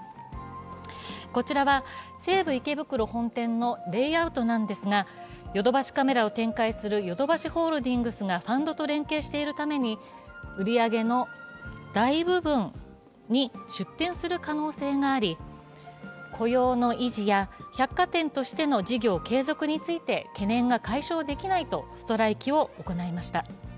こちらは、西武池袋本店のレイアウトなんですが、ヨドバシカメラを展開するヨドバシホールディングスがファンドと連携しているために売り場の大部分に出店する可能性があり雇用の維持や百貨店としての事業継続について懸念が解消できないとストライキを行いました。